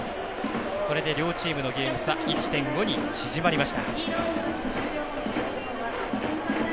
これで両チームのゲーム差１．５に縮まりました。